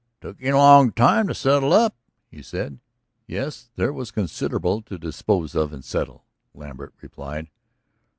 "It took you a long time to settle up," he said. "Yes. There was considerable to dispose of and settle," Lambert replied.